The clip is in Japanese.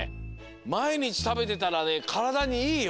まいにちたべてたらねからだにいいよ。